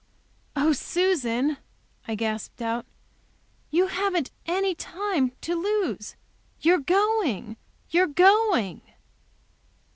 "Oh Susan!" I gasped out; "you haven't any time to lose. You're going, you're going!"